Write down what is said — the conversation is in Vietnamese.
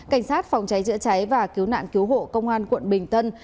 cảnh sát phòng cháy chữa cháy và cứu nạn cứu hộ công an quận bình tân